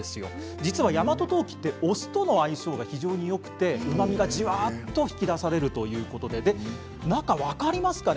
実は大和当帰はお酢との相性がとてもよくてうまみが、じわっと引き出されるということで中、分かりますかね